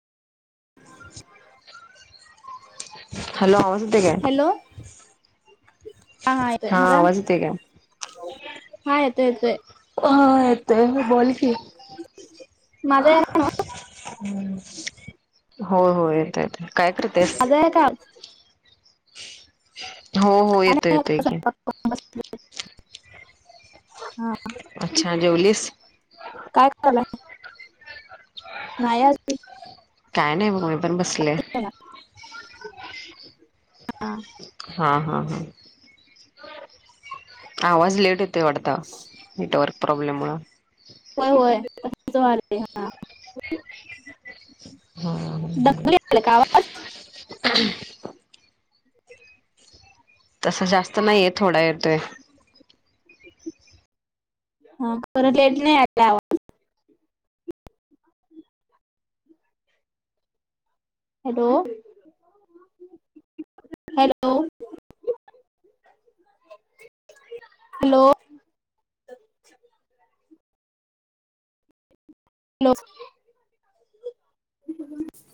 हॅलोसध का हाय हा मग आवाज येतोय काय? हा येत येतय ह येतो बोल की माझा आहेला ना हो हो येत येत काय करतेस अ का हो हो काय येतो नाही येतोय आता की स्वयंपाक करून बसले हा अच्छा जवलिस काय केलंय काय नाही म्हण जेवणार. हा हा हा हा आवाज लेट येते वाटतं नेटवर्क प्रॉब्लेम मु होय होय हा बस झालं दंगल यायला का आवाज तसं जास्त नाहीये थोडा येतोय हा बरं लेट नाही आता आवाज हॅलो हॅलो हॅलो हॅलो